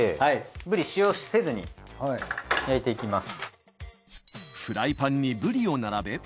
ブリ塩せずに焼いていきます。